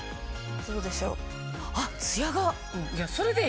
どうでしょう。